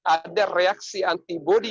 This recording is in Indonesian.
ada reaksi antibody